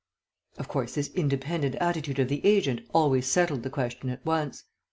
Of course this independent attitude of the agent always settled the question at once.